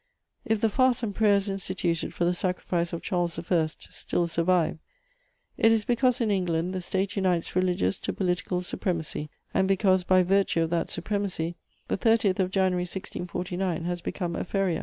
If the fasts and prayers instituted for the sacrifice of Charles I. still survive, it is because, in England, the State unites religious to political supremacy and because, by virtue of that supremacy, the 30th of January 1649 has become a _feria.